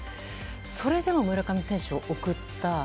それでも村上選手を送った。